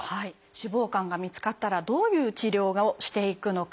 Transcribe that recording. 脂肪肝が見つかったらどういう治療をしていくのか。